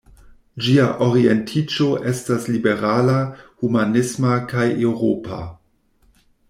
Ĝia orientiĝo estas liberala, humanisma kaj eŭropa.